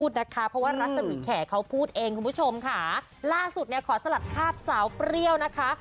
เพราะว่ารัศมีแขกเขาพูดเองคุณผู้ชมค่ะล่าสุดเนี่ยขอสลัดภาพสาวเปรี้ยวนะคะ